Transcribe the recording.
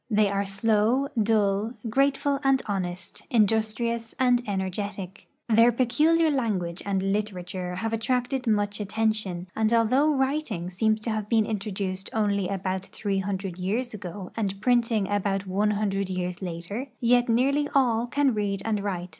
They are slow, dull, grateful and honest, industrious and energetic. Their peculiar language and literature have attracted much attention, and although writing seems to have been introduced onl}' al)out three hundi*ed years ago and printing about one hundred years later, yet nearly all can read and write.